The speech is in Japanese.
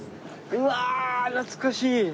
うわ懐かしい。